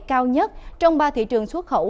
cao nhất trong ba thị trường xuất khẩu